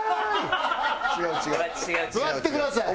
座ってください。